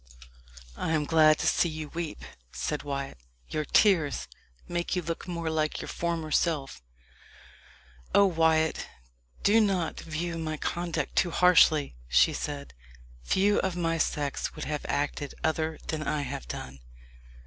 "I am glad to see you weep," said Wyat; "your tears make you look more like your former self." "Oh, Wyat, do not view my conduct too harshly!" she said. "Few of my sex would have acted other than I have done."